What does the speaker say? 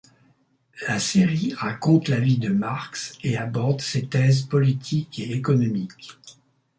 La série raconte la vie de Marx et aborde ses thèses politiques et économiques.